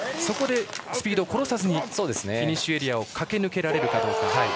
そこで、スピードを殺さずにフィニッシュエリアを駆け抜けられるかどうか。